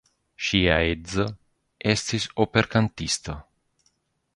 Ŝia edzo estis operkantisto.